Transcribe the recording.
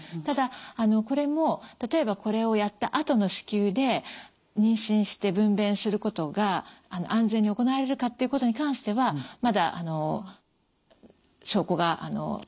ただこれも例えばこれをやったあとの子宮で妊娠して分娩することが安全に行えるかっていうことに関してはまだ証拠が十分ではないということが。